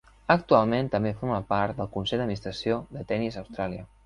Actualment també forma part del consell d'administració de Tennis Austràlia.